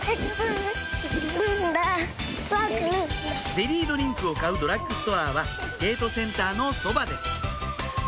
ゼリードリンクを買うドラッグストアはスケートセンターのそばです